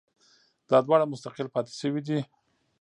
دا دواړه مستقل پاتې شوي دي